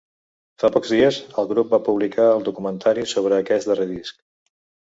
Fa pocs dies, el grup va publicar el documentari sobre aquest darrer disc.